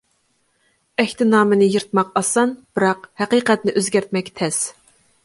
ئەھدىنامىنى يىرتماق ئاسان، بىراق ھەقىقەتنى ئۆزگەرتمەك تەس.